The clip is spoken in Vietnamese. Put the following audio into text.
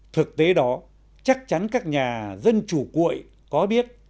thực tế đó chắc chắn các nhà dân chủ cuội có biết